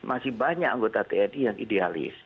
masih banyak anggota tni yang idealis